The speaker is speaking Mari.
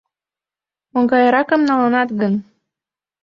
Могайракым налынат гын?